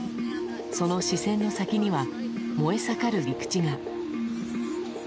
その視線の先には燃え盛る陸地が。